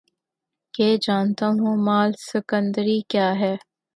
کہ جانتا ہوں مآل سکندری کیا ہے